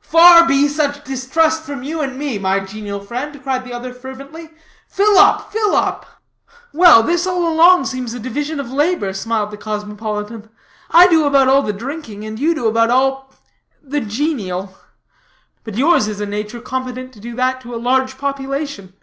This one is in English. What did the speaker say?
"Far be such distrust from you and me, my genial friend," cried the other fervently; "fill up, fill up!" "Well, this all along seems a division of labor," smiled the cosmopolitan. "I do about all the drinking, and you do about all the genial. But yours is a nature competent to do that to a large population.